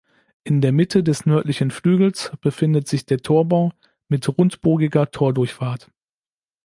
In der Mitte des nördlichen Flügels befindet sich der Torbau mit rundbogiger Tordurchfahrt.